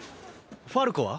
ファルコは？